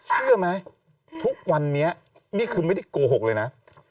เชื่อไหมทุกวันนี้นี่คือไม่ได้โกหกเลยนะ